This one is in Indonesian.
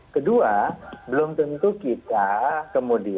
kedua belum tentu kita kemudian